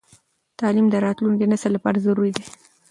تعليم د راتلونکي نسل لپاره ضروري دی.